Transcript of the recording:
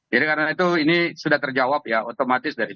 jadi karena itu ini sudah terjawab ya otomatis